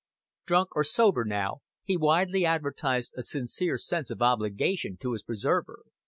Drunk or sober now, he widely advertised a sincere sense of obligation to his preserver.